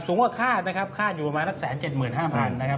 สูงกว่าคาดนะครับคาดอยู่ประมาณสัก๑๗๕๐๐นะครับ